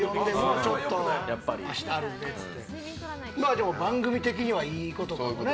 でも番組的にはいいことかもね。